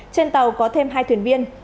trên tàu có thêm hai thuyền viên